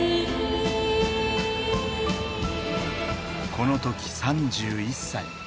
この時３１歳。